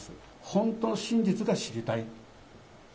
本当の真実が知りたい。